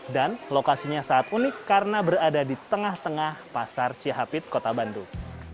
dan lokasinya sangat unik karena berada di tengah tengah pasar cihapit kota bandung